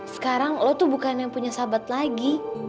sekarang lo tuh bukan yang punya sahabat lagi